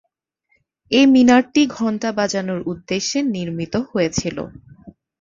এ মিনারটি ঘণ্টা বাজানোর উদ্দেশ্যে নির্মিত হয়েছিল।